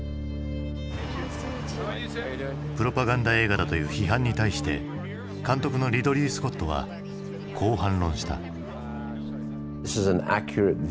プロパガンダ映画だという批判に対して監督のリドリー・スコットはこう反論した。